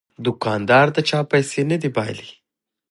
دوکاندار د چا پیسې نه بایلي.